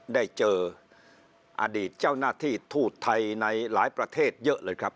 ได้เจออดีตเจ้าหน้าที่ทูตไทยในหลายประเทศเยอะเลยครับ